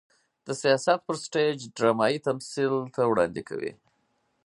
د سياست پر سټېج ډرامايي تمثيل ته وړاندې کوي.